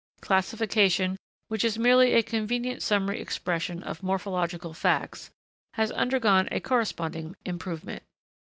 Classification, which is merely a convenient summary expression of morphological facts, has undergone a corresponding improvement.